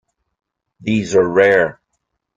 These are rare.